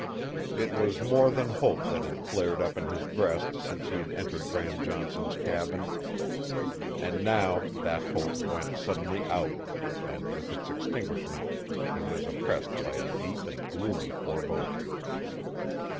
It was more than hope that had flared up in his breast since he had entered Bram Johnson's cabin. And now that hope went suddenly out, and with its extinguishment he was oppressed by a deep and gloomy foreboding.